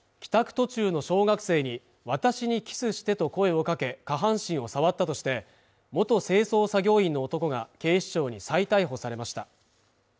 途中の小学生に私にキスしてと声をかけ下半身を触ったとして元清掃作業員の男が警視庁に再逮捕されました